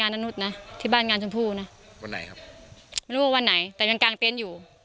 ไม่รู้ว่าวันไหนแต่ยังกลางเต้นอยู่